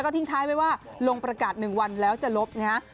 ทิ้งท้ายไว้ว่าลงประกาศ๑วันแล้วจะลบนะฮะ